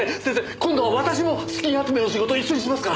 今度は私も資金集めの仕事を一緒にしますから。